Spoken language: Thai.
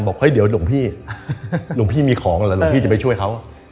เฮ้ยเดี๋ยวหลวงพี่หลวงพี่มีของเหรอหลวงพี่จะไปช่วยเขา